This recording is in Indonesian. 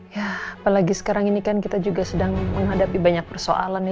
ya apalagi sekarang ini kan kita juga sedang menghadapi banyak persoalan